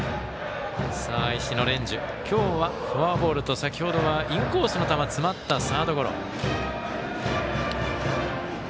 石野蓮授、今日はフォアボールと先ほどはインコースの球詰まったサードゴロ。